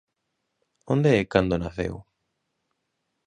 _Onde e cando naceu?